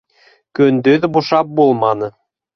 - Көндөҙ бушап булманы.